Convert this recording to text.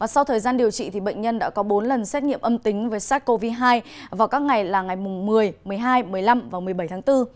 sau thời gian điều trị bệnh nhân đã có bốn lần xét nghiệm âm tính với sars cov hai vào các ngày là ngày một mươi một mươi hai một mươi năm và một mươi bảy tháng bốn